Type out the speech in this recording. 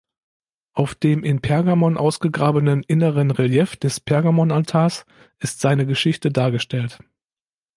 Auf dem in Pergamon ausgegrabenen inneren Relief des Pergamonaltars ist seine Geschichte dargestellt.